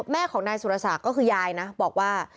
แม่ของนายสุรศักดิ์ก็คือยายนะบอกว่า